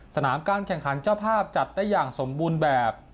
สนามการแข่งขันเจ้าภาพจัดได้อย่างสมบูรณ์แบบ